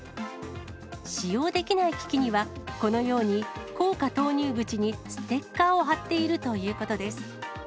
使用できない機器には、このように硬貨投入口にステッカーを貼っているということです。